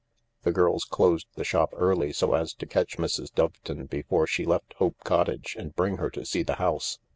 The girls closed the shop early so as to catch Mrs. Doveton before she left Hope Cottage and bring her to see the house.